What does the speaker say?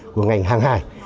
của ngành hàng hải